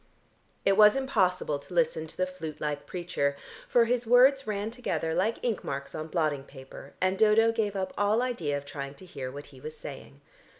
It was impossible to listen to the flute like preacher, for his words ran together like ink marks on blotting paper, and Dodo gave up all idea of trying to hear what he was saying.